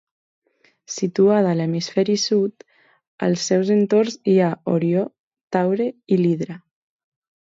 Situada a l'hemisferi sud, als seus entorns hi ha Orió, Taure i l'Hidra.